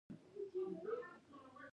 دلته صنعتي او کیمیاوي انجینران پکار دي.